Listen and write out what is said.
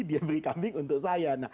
dia beri kambing untuk saya